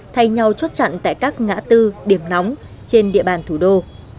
thay nhau chốt chặn tại các ngã tư điểm nóng trên địa bàn thủ đô